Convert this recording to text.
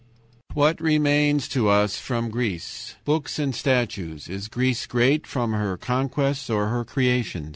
"What remains to us from Greece? Books and statues. Is Greece great from her conquests or her creations?